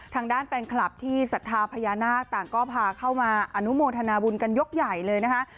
ทางด้านแฟนคลับที่ศรัทธาพญานาคต่างก็พาเข้ามาอนุโมทนาบุญกันยกใหญ่เลยนะคะ